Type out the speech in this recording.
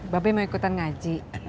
papa pur udah